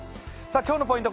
今日のポイント